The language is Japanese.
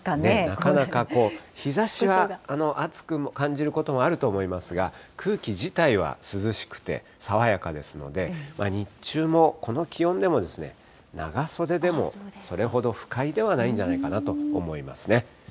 なかなか日ざしは暑く感じることもあると思いますが、空気自体は涼しくて爽やかですので、日中もこの気温でも、長袖でもそれほど不快ではないんじゃないかなと思いますね。